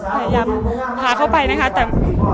พยายามพาเข้าไปนะคะแต่